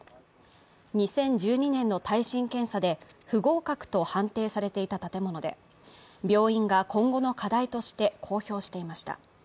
２０１２年の耐震検査で不合格と判定されていた建物で、病院が今後の課題として公表していました。